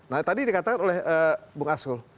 nah tadi dikatakan oleh bung asrul